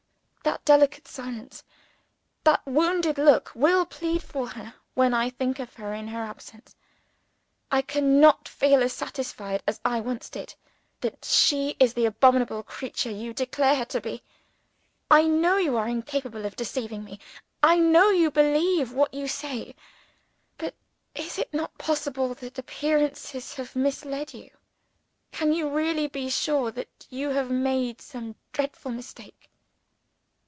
that delicate silence, that wounded look, will plead for her when I think of her in her absence! I can not feel as satisfied as I once did, that she is the abominable creature you declare her to be. I know you are incapable of deceiving me I know you believe what you say. But is it not possible that appearances have misled you? Can you really be sure that you have not made some dreadful mistake?"